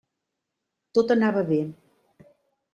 Tot anava bé.